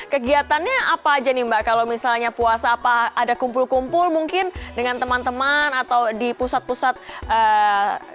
kegiatannya apa aja nih mbak kalau misalnya puasa apa ada kumpul kumpul mungkin dengan teman teman atau di pusat pusat eh pusat pusat kota tertentu begitu